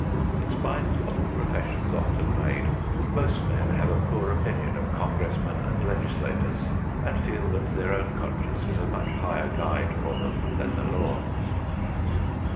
In spite of the professions often made, most men have a poor opinion of congressmen and legislators, and feel that their own conscience is a much higher guide for them than the law.